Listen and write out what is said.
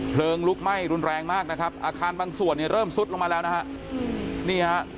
เพลิงลุกไหม้รุนแรงมากนะครับอาคารบางส่วนเริ่มสุดลงมาแล้วนะฮะ